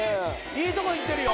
いいとこいってるよ。